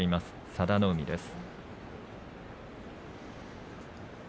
佐田の海です。